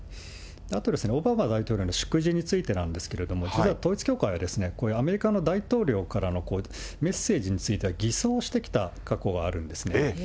あとですね、オバマ大統領の祝辞についてなんですけれども、実は統一教会は、これ、アメリカの大統領からのメッセージについては偽装してきた過去がえー。